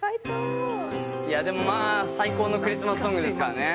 いやでもまあ最高のクリスマスソングですからね。